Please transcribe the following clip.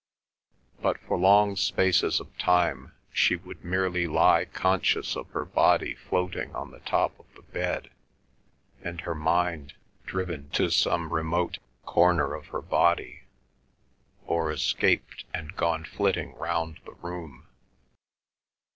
But for long spaces of time she would merely lie conscious of her body floating on the top of the bed and her mind driven to some remote corner of her body, or escaped and gone flitting round the room.